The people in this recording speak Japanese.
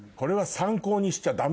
参考にしちゃダメ？